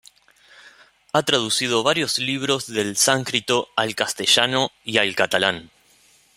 Ha traducido varios libros del sánscrito al castellano y al catalán.